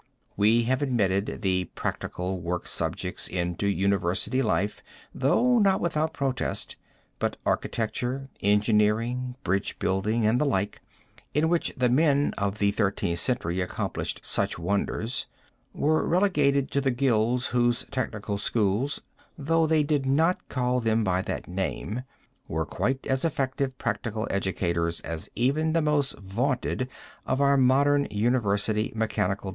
We have admitted the practical work subjects into university life, though not without protest, but architecture, engineering, bridge building and the like, in which the men of the Thirteenth Century accomplished such wonders, were relegated to the guilds whose technical schools, though they did not call them by that name, were quite as effective practical educators as even the most vaunted of our modern university mechanical departments.